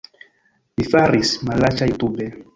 Mi faris malaĉa jutube